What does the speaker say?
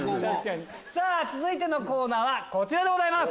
さぁ続いてのコーナーはこちらでございます。